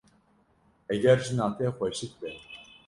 Heger jina te xweşik be.